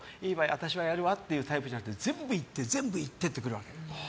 私はやるやっていうタイプじゃなくて全部言って全部言ってってくるわけ。